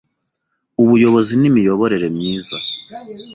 Ubuyobozi n’Imiyoborere Myiza